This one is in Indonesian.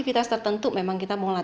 kita sebagai dokter rehab tidak menyarankan